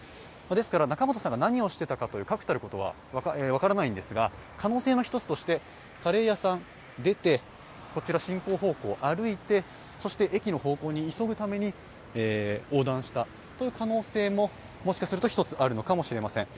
ですから仲本さんが何をしていたかという確たることは分からないんですが可能性１つとしてカレー屋さん、出て、こちら進行方向、歩いて、そして駅の方向に急ぐために横断したどいう可能性ももしかすると、一つあるのかもしれません。